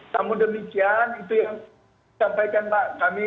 namun demikian itu yang disampaikan pak kami